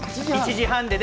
１時半。